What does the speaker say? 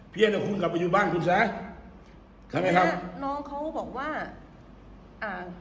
เพียงแต่คุณกลับไปอยู่บ้านคุณซะใช่ไหมครับน้องเขาบอกว่าอ่า